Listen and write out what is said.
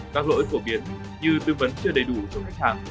các lỗi phổ biến như tư vấn chưa đầy đủ cho khách hàng